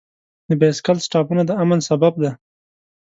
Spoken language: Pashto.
د بایسکل سټاپونه د امن سبب دی.